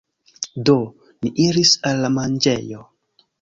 Do, ni iris al la manĝejo.